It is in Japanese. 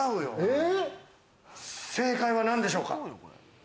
正解は、なんでしょうか？